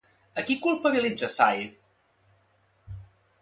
A qui culpabilitza Sáiz?